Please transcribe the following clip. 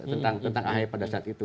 tentang ahy pada saat itu